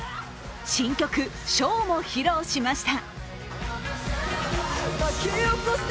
新曲「唱」も披露しました。